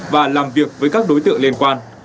và làm việc với các đối tượng liên quan